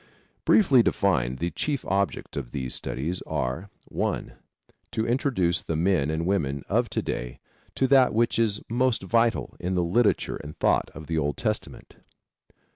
Briefly defined the chief objects of these studies are: (1) To introduce the men and women of to day to that which is most vital in the literature and thought of the Old Testament.